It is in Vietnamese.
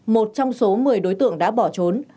một trong số một mươi đối tượng đã bỏ trốn